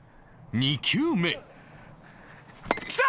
２球目きた！